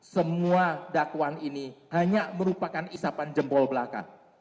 semua dakwaan ini hanya merupakan isapan jempol belaka